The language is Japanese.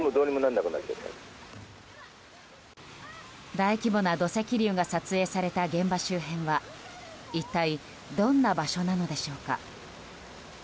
大規模な土石流が撮影された現場周辺は一体どんな場所なのでしょうか。